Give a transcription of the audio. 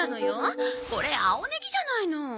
これ青ネギじゃないの。